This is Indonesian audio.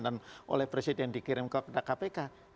dan oleh presiden dikirim kepada kpk